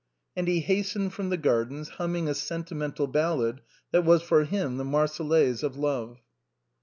And he hastened from the gardens humming a sentimen tal ballad that was for him the Marseillaise of love.